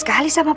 aku mau ke kamar